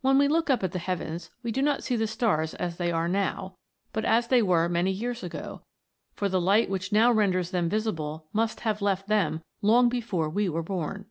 When we look up at the heavens, we do not see the stars as they are now, but as they were many years ago, for the light which now renders them visible must have left them long before we were born